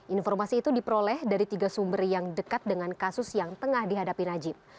informasi itu diperoleh dari tiga sumber yang dekat dengan kasus yang tengah dihadapi najib